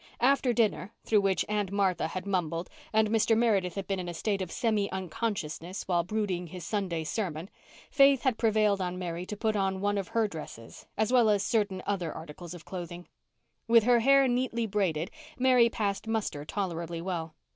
After dinner—through which Aunt Martha had mumbled and Mr. Meredith had been in a state of semi unconsciousness while brooding his Sunday sermon—Faith had prevailed on Mary to put on one of her dresses, as well as certain other articles of clothing. With her hair neatly braided Mary passed muster tolerably well.